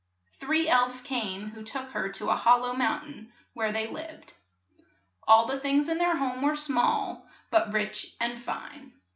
Three elves came who took her to a hol low moun tain where they lived. All the things in their home were small, but rich and fine.